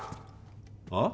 あっ？